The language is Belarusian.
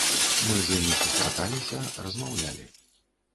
Мы з імі сустракаліся, размаўлялі.